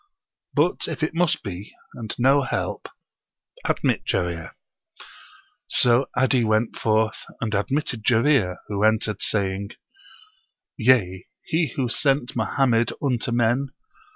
"' But if it must be, and no help, admit Jarir." So 'Adi went forth and admitted Jarir, who entered saying: 'Yea, He who sent Mohammed unto men.